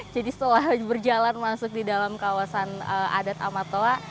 jadi setelah berjalan masuk di dalam kawasan adat amatua